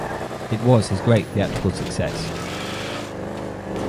It was his greatest theatrical success.